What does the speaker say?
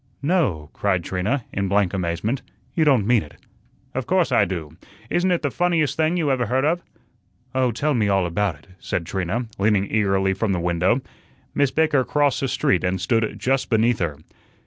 "No!" cried Trina, in blank amazement. "You don't mean it." "Of course I do. Isn't it the funniest thing you ever heard of?" "Oh, tell me all about it," said Trina, leaning eagerly from the window. Miss Baker crossed the street and stood just beneath her.